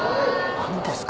何ですか？